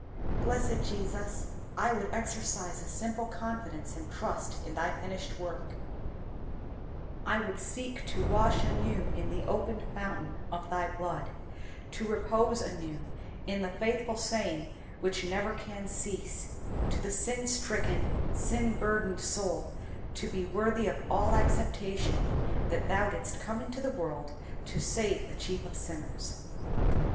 Blessed Jesus! I would exercise a simple confidence and trust in Thy finished work, I would seek to wash anew in the opened fountain of Thy blood, to repose anew in the faithful saying which never can cease, to the sin stricken, sin burdened soul, to be worthy of all acceptation, that Thou didst come into the world to save the chief of sinners.